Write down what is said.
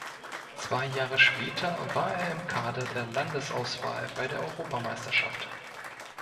Zwei Jahre später war er im Kader der Landesauswahl bei der Europameisterschaft.